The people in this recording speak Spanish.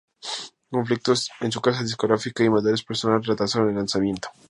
Conflictos con su casa discográfica y madurez personal retrasaron el lanzamiento.